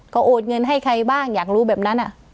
ก็โอนเงินให้ใครบ้างอยากรู้แบบนั้น